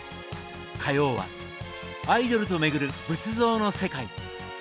火曜は「アイドルと巡る仏像の世界」。